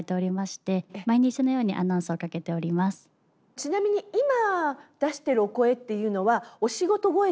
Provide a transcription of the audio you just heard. ちなみに今出してるお声っていうのはお仕事声ですか？